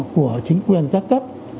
của chính quyền các cấp